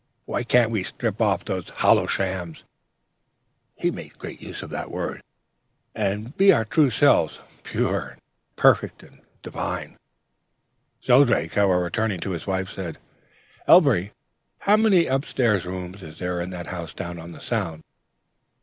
Why can't we strip off these hollow Shams' (he made great use of that word), 'and be our true selves, pure, perfect, and divine?' ... "Shelldrake, however, turning to his wife, said, "'Elviry, how many up stairs rooms is there in that house down on the Sound?'